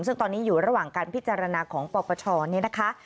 ซึ่งตอนนี้อยู่ระหว่างการพิจารณาของปปชเนี่ยนะคะ